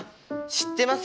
知ってます